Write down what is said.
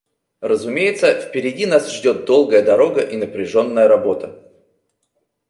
Разумеется, впереди нас ждет долгая дорога и напряженная работа.